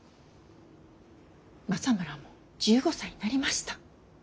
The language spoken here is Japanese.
政村も１５歳になりました。